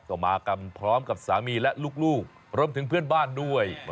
ก็มากันพร้อมกับสามีและลูกรวมถึงเพื่อนบ้านด้วย